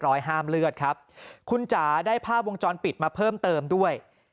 ห้ามเลือดครับคุณจ๋าได้ภาพวงจรปิดมาเพิ่มเติมด้วย